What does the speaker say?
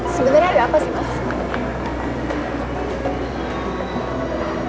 sebenarnya ada apa sih mas